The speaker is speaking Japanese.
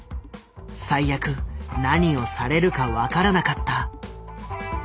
最悪何をされるか分からなかった。